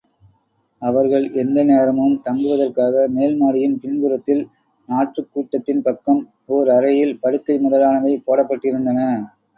அவர்கள் எந்த நேரமும் தங்குவதற்காக மேல்மாடியின் பின்புறத்தில் நாற்றுக்கூட்டத்தின் பக்கம் ஓர் அறையில் படுக்கை முதலானவை போடப்பட்டிருந்தன.